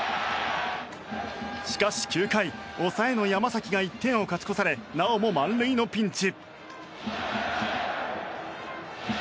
しかし、９回抑えの山崎が１点を勝ち越されなおも満塁のピンチ。